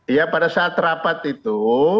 ya pada saat rapat itu